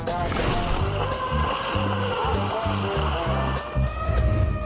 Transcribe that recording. ก็เลยมันมาอยู่นี่เป็นมูอี้